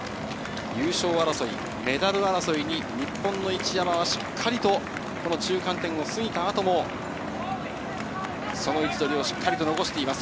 優勝争い、メダル争いに日本の一山はしっかりとこの中間点を過ぎた後も、その位置取りをしっかり残しています。